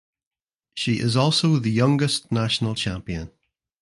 She is also the youngest national champion.